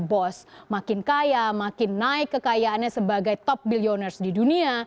bos makin kaya makin naik kekayaannya sebagai top billioners di dunia